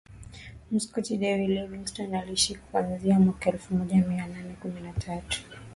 Mskoti David Livingstone aliishi kuanzia mwaka elfu moja mia nane kumi na tatu